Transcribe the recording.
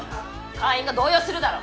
会員が動揺するだろ！？